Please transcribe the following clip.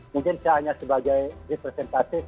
mungkin saya hanya sebagai representatif